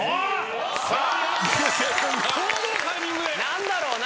何だろう？